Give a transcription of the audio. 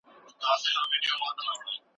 هیڅوک نسي کولای د بل کور ته بې اجازې ننوځي.